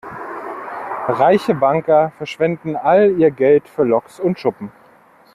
Reiche Banker verschwenden all ihr Geld für Loks und Schuppen.